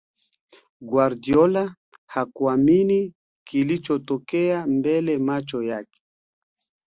guardiola hakuamini kilichotokea mbele macho yake